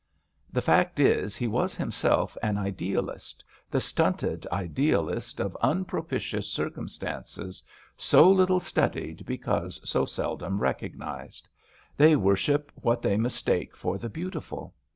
The fact is, he was himself an idealist, the stunted idealist, of unpropitious circum 14 HARKAWAY stances, so little studied because so seldom recognised. They worship what they mistake for the beautiful.